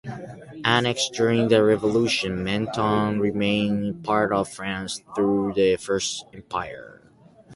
Annexed during the Revolution, Menton remained part of France through the First Empire.